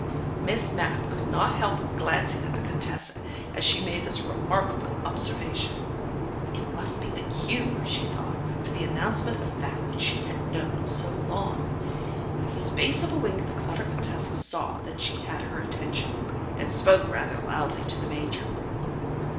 Miss Mapp could not help glancing at the Contessa, as she made this remarkable observation. It must be the cue, she thought, for the announcement of that which she had known so long. ... In the space of a wink the clever Contessa saw that she had her attention, and spoke rather loudly to the Major.